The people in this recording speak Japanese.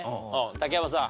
竹山さん。